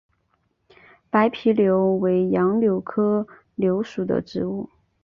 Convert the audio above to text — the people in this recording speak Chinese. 白皮柳为杨柳科柳属的植物。